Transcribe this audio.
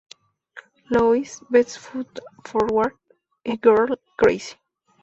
Louis", "Best Foot Forward" y "Girl Crazy".